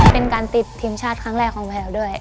เป็นการติดทีมชาติครั้งแรกของแพลวด้วย